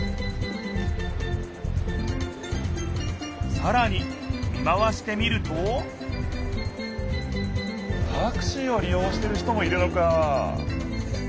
さらに見回してみるとタクシーをり用してる人もいるのか。